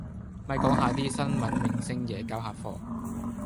咪講下啲新聞明星野交下貨